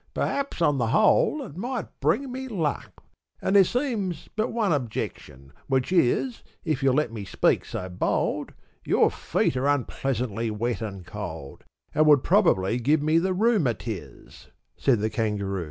Perhaps, on the whole, it might bring me luck; And there seems but one objection; Which is, if you'll let me speak so bold, Your feet are unpleasantly wet and cold, And would probably give me the roo Matiz," said the Kangaroo.